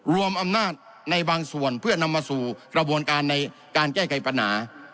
รวมอำนาจในบางส่วนเพื่อนำมาสู่กระบวนการในการแก้ไขปัญหา